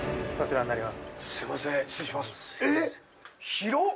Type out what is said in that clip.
広っ！